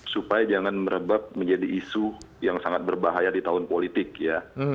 supaya jangan merebak menjadi isu yang sangat berbahaya di tahun politik ya